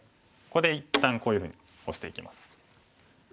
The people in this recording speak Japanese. ここで一旦こういうふうに押していきます。